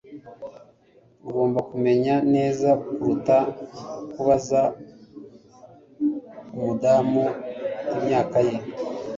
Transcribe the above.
Ugomba kumenya neza kuruta kubaza umudamu imyaka ye